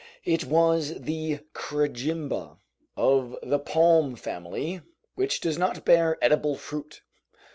It was the crejimba, of the palm family, which does not bear edible fruit.